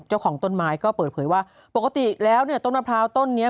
เจ้าของต้นไม้ก็เปิดเผยว่าปกติแล้วเนี่ยต้นมะพร้าวต้นนี้